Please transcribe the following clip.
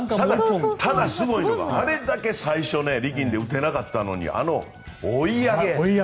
ただ、すごいのがあれだけ最初は力んで打てなかったのにあの追い上げ。